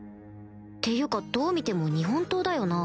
っていうかどう見ても日本刀だよな？